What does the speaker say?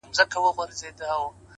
• ما د ورور په چاړه ورور دئ حلال كړى ,